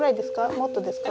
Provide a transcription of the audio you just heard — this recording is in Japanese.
もっとですか？